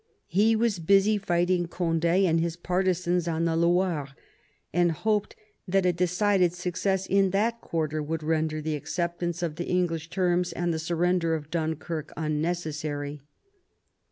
He was busy fighting Cond^ and his partisans on the Tjoiro, and hoped that a decided success in that quarter would render the acceptance of the English terms and the surrender of Dunkirk unnecessary.